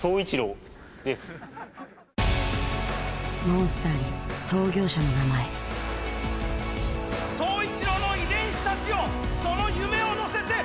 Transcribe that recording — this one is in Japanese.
モンスターに創業者の名前宗一郎の遺伝子たちよその夢を乗せて。